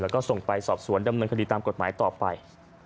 แล้วก็ส่งไปสอบสวนดำเนินคดีตามกฎหมายต่อไป